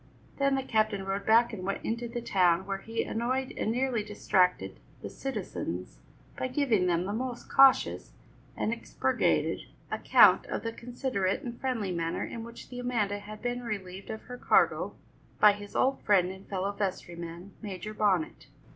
Then the captain rowed back and went into the town, where he annoyed and nearly distracted the citizens by giving them the most cautious and expurgated account of the considerate and friendly manner in which the Amanda had been relieved of her cargo by his old friend and fellow vestryman, Major Bonnet.